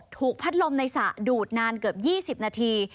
ถูกพัดลมในสระดูดนานเกือบ๒๐นาที